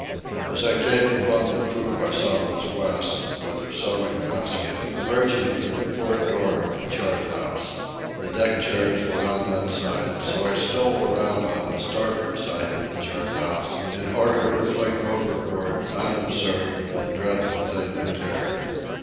As I came upon the poop I saw Miss West, with her sewing basket, emerging from the port door of the chart house. The deck chairs were on that side, so I stole around on the starboard side of the chart house in order to fling overboard unobserved the dreadful thing I carried.